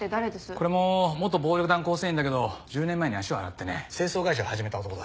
これも元暴力団構成員だけど１０年前に足を洗ってね清掃会社を始めた男だ。